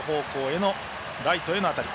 ライトへの当たり。